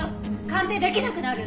鑑定できなくなる！